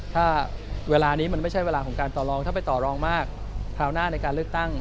ถ้าเวลานี้มันไม่ใช่เวลาของการต่อรองถ้าไปต่อรองมากคราวหน้าในการเลือกตั้ง